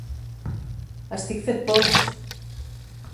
Estic fet pols!